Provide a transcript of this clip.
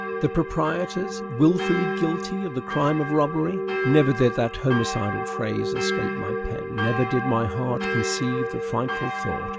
The proprietors WILFULLY guilty of the crime of robbery! Never did that homicidal phrase escape my pen; never did my heart conceive the frightful thought.